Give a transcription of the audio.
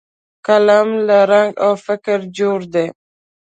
قلم له رنګ او فکره جوړ دی